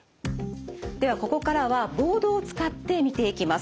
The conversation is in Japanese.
ではここからはボードを使って見ていきます。